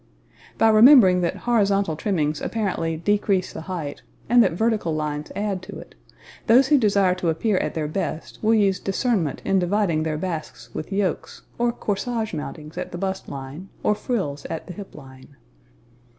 By remembering that horizontal trimmings apparently decrease the height, and that vertical lines add to it, those who desire to appear at their best will use discernment in dividing their basques with yokes, or corsage mountings at the bust line or frills at the hip line.